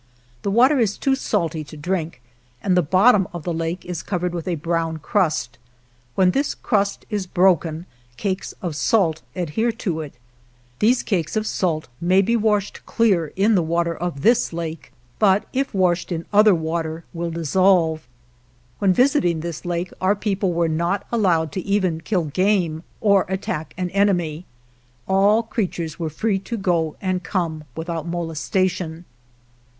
The water is too salty to drink, and the bottom of the lake is covered with a brown crust. When this crust is broken cakes of salt adhere to it. These cakes of salt may be washed clear in the water of this lake, but if washed in other water will dissolve. When visiting this lake our people were not allowed to even kill game or attack an enemy. All creatures were free to go and come without molestation.